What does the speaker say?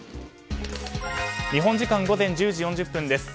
日本時間午前１０時４０分です。